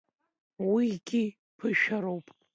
Уигьы ԥышәароуп.